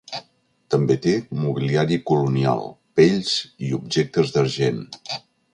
També té mobiliari colonial, pells i objectes d'argent.